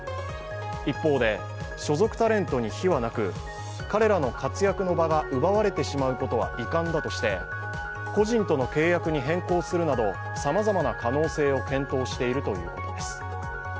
一方で、所属タレントに非はなく彼らの活躍の場が奪われてしまうことは遺憾だとして個人との契約に変更するなど、さまざまな可能性を検討しているということです。